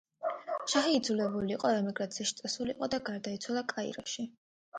შაჰი იძულებული იყო ემიგრაციაში წასულიყო და გარდაიცვალა კაიროში.